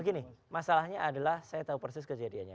begini masalahnya adalah saya tahu persis kejadiannya